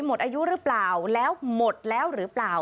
หมดอายุหรือเปล่าแล้วหมดแล้วหรือเปล่า